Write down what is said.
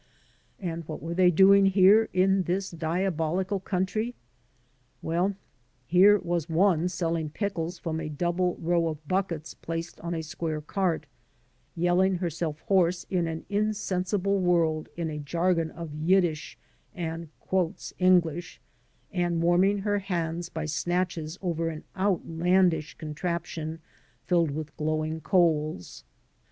And what were they doing here in this diabolical country? Well, here was one selling pickles from a double row of buckets placed on a square cart, yelling herself hoarse to an insensible world in a jargon of Yiddish and '" English/' and warming her hands by snatches over an outlandish contraption filled with glowing coals.